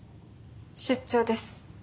出張です。